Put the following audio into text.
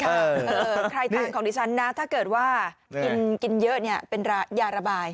ค่ะเออเออคล้ายทางของดิฉันน่ะถ้าเกิดว่ากินเยอะเนี้ยเป็นรายาระบาย